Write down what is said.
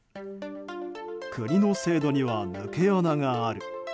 国の制度には抜け穴がある。